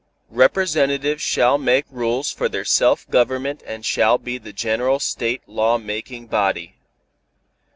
Representatives shall make rules for their self government and shall be the general state law making body.